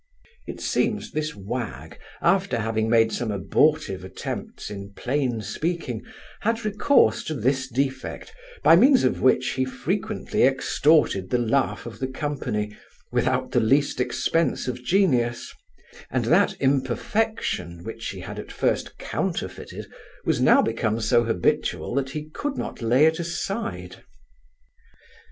It seems, this wag, after having made some abortive attempts in plain speaking, had recourse to this defect, by means of which he frequently extorted the laugh of the company, without the least expence of genius; and that imperfection, which he had at first counterfeited, was now become so habitual, that he could not lay it aside.